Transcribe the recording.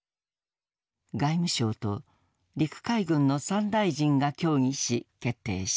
外務省と陸海軍の三大臣が協議し決定した。